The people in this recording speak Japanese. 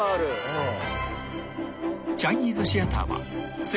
うん。